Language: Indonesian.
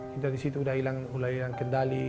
kita di situ sudah hilang kendali